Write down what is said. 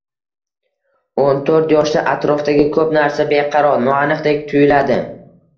O'n to'rt yoshda atrofdagi ko‘p narsa beqaror, noaniqdek tuyuladi